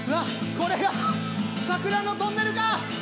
これが桜のトンネルか！